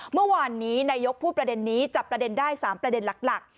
เมื่อวานนี้นายกพูดประเด็นนี้จับประเด็นได้๓ประเด็นหลัก